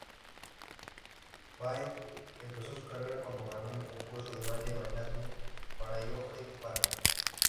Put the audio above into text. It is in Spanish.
Fahey empezó su carrera cuando ganó un concurso de baile bailando para Joffrey Ballet.